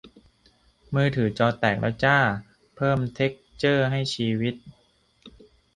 มือถือจอแตกแล้วจร้า เพิ่มเท็กซ์เจอร์ให้ชีวิต